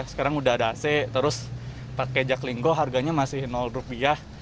sekarang udah ada ac terus pakai jaklinggo harganya masih rupiah